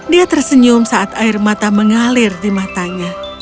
dia tersenyum saat air mata mengalir di matanya